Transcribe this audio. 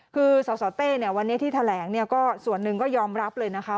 คือสสเต้วันนี้ที่แถลงส่วนหนึ่งก็ยอมรับเลยนะคะ